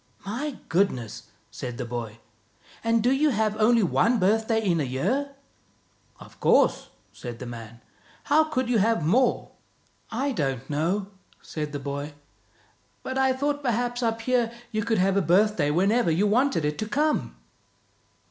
" My goodness! " said the boy. "And do you have only one birthday in a year?" " Of course," said the man. " How could you have more? "" I don't know," said the boy, " but I thought perhaps up here you could have a birthday whenever you wanted it to come."